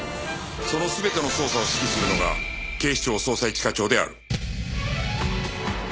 その全ての捜査を指揮するのが警視庁捜査一課長である